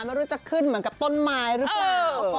ไม่รู้จะขึ้นเหมือนกับต้นไม้หรือเปล่า